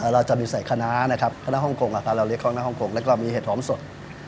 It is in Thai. เราจะมีใส่คณะนะครับคณะฮ่องกงเราเรียกห้องหน้าฮ่องกงแล้วก็มีเห็ดหอมสด